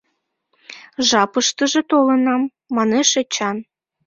— Жапыштыже толынат, — манеш Эчан.